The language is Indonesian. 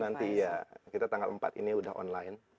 nanti ya kita tanggal empat ini sudah online